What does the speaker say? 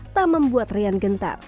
tak membuat rian gentar